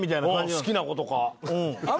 好きな子とか。